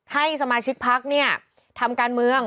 ให้สมาชิกพักเนี่ยทำการเมือง